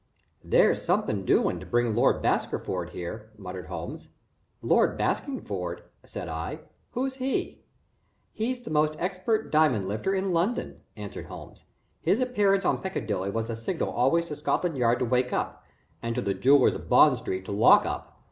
"There's something doing to bring 'Lord Baskingford' here," muttered Holmes. "Lord Baskingford?" said I. "Who's he?" "He's the most expert diamond lifter in London," answered Holmes. "His appearance on Piccadilly was a signal always to Scotland Yard to wake up, and to the jewellers of Bond Street to lock up.